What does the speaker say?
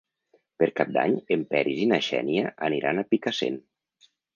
Per Cap d'Any en Peris i na Xènia aniran a Picassent.